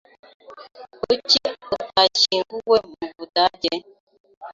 Kuki utashyingiwe mubudage?